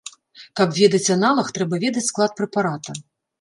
Каб ведаць аналаг, трэба ведаць склад прэпарата.